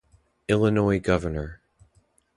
Illinois Gov.